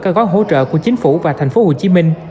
các gói hỗ trợ của chính phủ và tp hcm